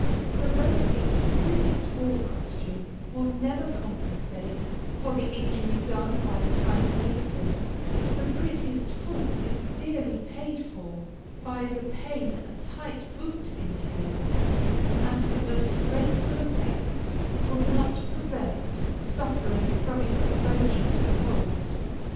The most exquisite ball costume will never compensate for the injury done by tight lacing, the prettiest foot is dearly paid for by the pain a tight boot entails, and the most graceful effects will not prevent suffering from exposure to cold.